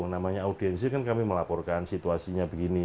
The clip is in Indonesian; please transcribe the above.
namanya audiensi kan kami melaporkan situasinya begini